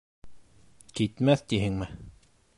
Китмәҫ тиһеңме?